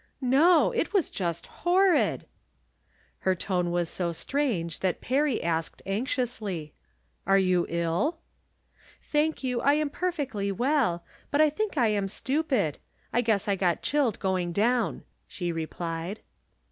" No ; it was just horrid !" Her tone was so strange that Perry asked, anx iously : 328 From Different Standpoints. "Are you ill?" " Thank you, I am perfectly well ; but I think I am stupid. I guess I got chilled going down," she replied.